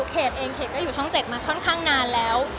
เขตเองเขตก็อยู่ช่อง๗มาค่อนข้างนานแล้ว